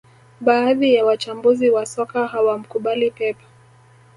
Baadhi ya wachambuzi wa soka hawamkubali Pep